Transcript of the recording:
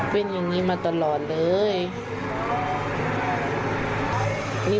ไม่มีจอดดูเลย